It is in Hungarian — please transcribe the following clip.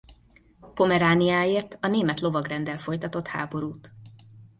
Pomerániáért a Német Lovagrenddel folytatott háborút.